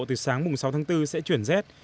từ sáng mùng sáu tháng bốn sẽ chuyển rét